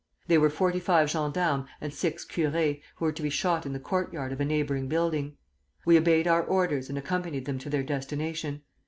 They were forty five gendarmes and six curés, who were to be shot in the courtyard of a neighboring building. We obeyed our orders and accompanied them to their destination.